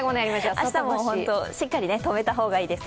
明日もしっかりとめた方がいいです。